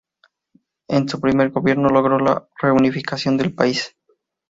En su primer gobierno logró la reunificación de país.